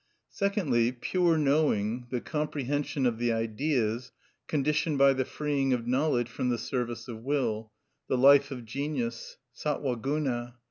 Secondly, pure knowing, the comprehension of the Ideas, conditioned by the freeing of knowledge from the service of will: the life of genius (Satwa Guna).